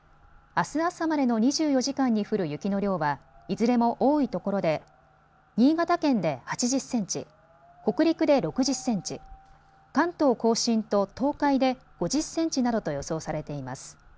あす朝までの２４時間に降る雪の量はいずれも多いところで新潟県で８０センチ、北陸で６０センチ、関東甲信と東海で５０センチなどと予想されています。